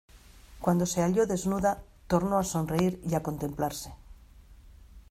cuando se halló desnuda tornó a sonreír y a contemplarse.